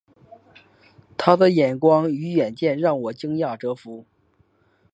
他的眼光与远见让我惊讶折服